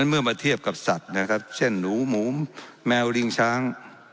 เมื่อมาเทียบกับสัตว์นะครับเช่นหนูหมูแมวลิงช้าง